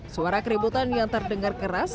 suara keributan yang terdengar keras